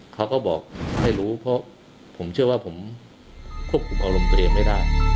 เขาก็บอกไม่รู้เพราะผมเชื่อว่าผมควบคุมอารมณ์ตัวเองไม่ได้